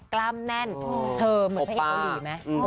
กล้ามแน่นเธอเหมือนพระเอกเกาหลีไหม